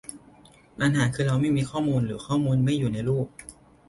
ปัญหาคือเราไม่มีข้อมูล หรือข้อมูลไม่อยู่ในรูป